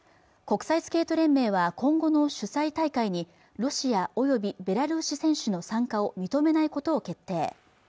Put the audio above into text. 国際スケート連盟は今後の主催大会にロシア及びベラルーシ選手の参加を認めないことを決定